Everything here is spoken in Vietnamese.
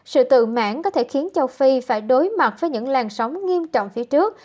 sự tự mãn có thể khiến châu phi phải đối mặt với những làn sóng nghiêm trọng phía trước